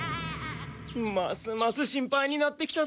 ますます心配になってきただよ。